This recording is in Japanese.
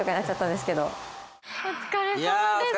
お疲れさまです。